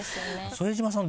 副島さん